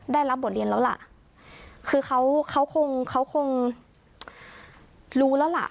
ได้รับบทเรียนแล้วล่ะคือเขาเขาคงเขาคงรู้แล้วล่ะ